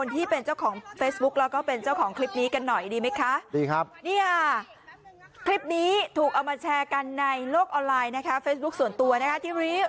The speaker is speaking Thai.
ทุกวันมาให้ดูใหม่นะคะเฟซบุ๊คส่วนตัวนะคะที่วีดีโอ